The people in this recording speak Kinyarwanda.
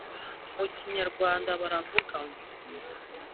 - mu kinyarwanda baravuga ngo